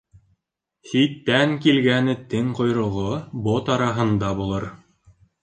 Ситтән килгән эттең ҡойроғо бот араһында булыр.